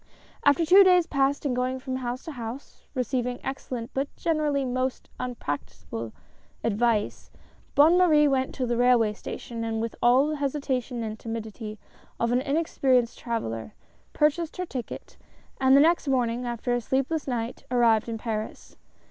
After two days passed in going from house to house, ARRIVAL IN PARIS. 67 receiving excellent but generally most unpracticable advice, Bonne Marie went to the railway station, and with all the hesitation and timidity of an inexperienced traveller, purchased her ticket, and the next morning, after a sleepless night, arrived in Paris.